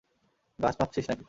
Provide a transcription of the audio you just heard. গাছ মাপছিস নাকি?